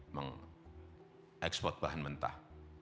mengekspor bahan mentah